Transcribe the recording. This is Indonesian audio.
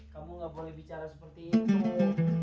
kamu gak boleh bicara seperti itu